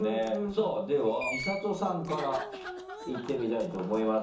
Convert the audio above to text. さぁではＭＩＳＡＴＯさんからいってみたいと思います。